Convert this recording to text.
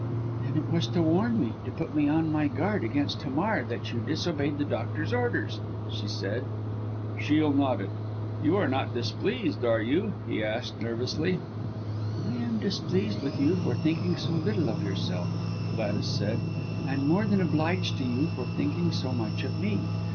"Then it was to warn me, to put me on my guard against Hamar, that you disobeyed the doctor's orders," she said. Shiel nodded. "You are not displeased, are you?" he asked nervously. "I am displeased with you for thinking so little of yourself," Gladys said, "and more than obliged to you for thinking so much of me.